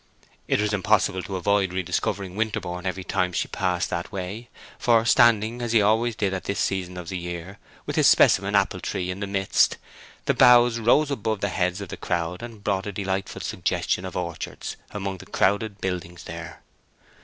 It was impossible to avoid rediscovering Winterborne every time she passed that way, for standing, as he always did at this season of the year, with his specimen apple tree in the midst, the boughs rose above the heads of the crowd, and brought a delightful suggestion of orchards among the crowded buildings there.